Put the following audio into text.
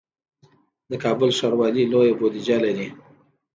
د کابل ښاروالي لویه بودیجه لري